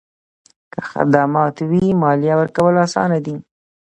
که خدمات وي، مالیه ورکول اسانه دي؟